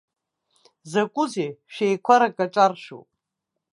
Закәызеи, шәеиқәарак аҿаршәуп.